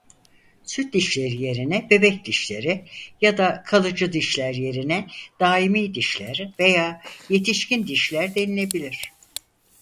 Süt dişleri yerine bebek dişleri ya da kalıcı dişler yerine daimi dişler veya yetişkin dişler denilebilir.